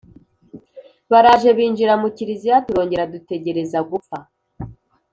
Baraje binjira mu Kiliziya, turongera dutegereza gupfa